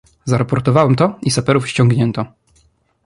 "Zaraportowałem to i saperów ściągnięto."